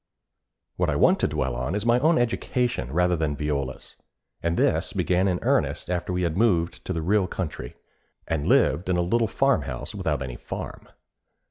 What I want to dwell on is my own education rather than Viola's, and this began in earnest after we had moved to the real country, and lived in a little farmhouse without any farm.